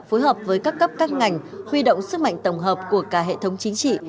phối hợp với các cấp các ngành huy động sức mạnh tổng hợp của cả hệ thống chính trị